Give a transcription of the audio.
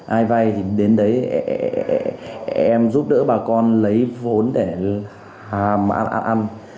ai vay thì đến đấy em giúp đỡ bà con lấy vốn để ăn ăn ăn